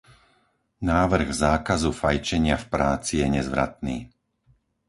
Návrh zákazu fajčenia v práci je nezvratný.